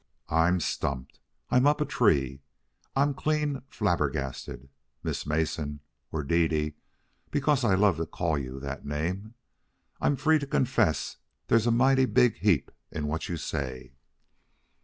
"I'm stumped. I'm up a tree. I'm clean flabbergasted, Miss Mason or Dede, because I love to call you that name. I'm free to confess there's a mighty big heap in what you say.